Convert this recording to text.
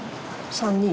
３人？